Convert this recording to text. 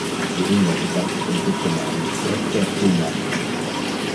Si illo te face sentir te mal, proque fuma tu?